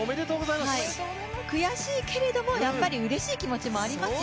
悔しいけれどもやっぱりうれしい気持ちもありますよ。